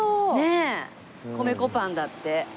米粉パンだって。